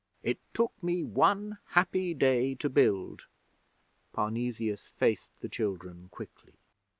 It took me one happy day to build.' Parnesius faced the children quickly.